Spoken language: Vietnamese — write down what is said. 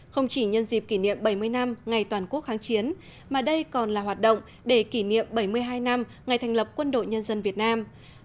không chỉ nhân dịp kỷ niệm bảy mươi năm ngày toàn quốc kháng chiến mà đây còn là hoạt động để kỷ niệm bảy mươi hai năm ngày thành lập quân đội nhân dân việt nam